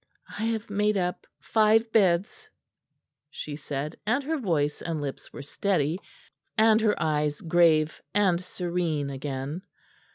"I have made up five beds," she said, and her voice and lips were steady, and her eyes grave and serene again.